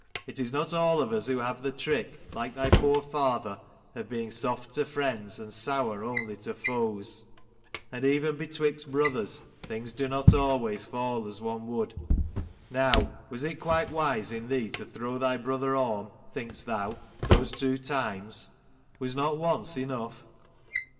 It is not all of us who have the trick, like thy poor father, of being soft to friends and sour only to foes : and even betwixt brothers things do not always fall as one would. Now, was it quite wise in thee to throw thy brother Orm, think'st thou, those two times? Was not once enough